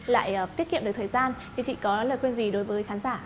lại tiết kiệm được thời gian thì chị có lời khuyên gì đối với khán giả